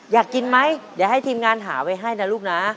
อยากกินไหมเดี๋ยวให้ทีมงานหาไว้ให้นะลูกนะ